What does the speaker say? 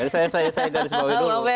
jadi saya dari sebelah dulu